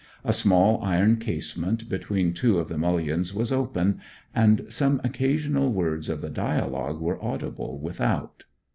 A small iron casement between two of the mullions was open, and some occasional words of the dialogue were audible without.